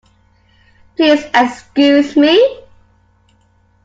Please excuse me.